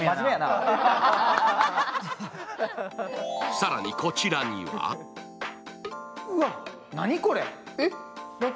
更にこちらにはうわ、何これ！？